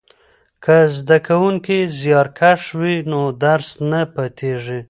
که زده کوونکی زیارکښ وي نو درس نه پاتیږي.